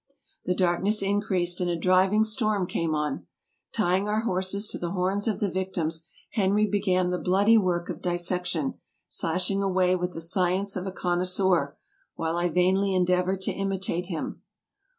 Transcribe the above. The darkness increased, and a driving storm came on. Tying our horses to the horns of the victims Henry began the bloody work of dissection, slashing away with the sci ence of a connoisseur, while I vainly endeavored to imitate him.